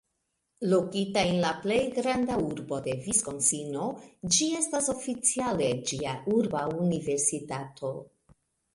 Lokita en la plej granda urbo de Viskonsino, ĝi estas oficiale ĝia "urba universitato".